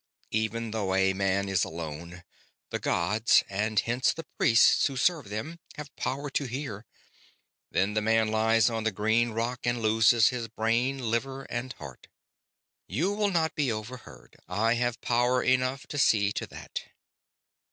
Even though a man is alone, the gods and hence the priests who serve them have power to hear. Then the man lies on the green rock and loses his brain, liver, and heart." "You will not be overheard. I have power enough to see to that."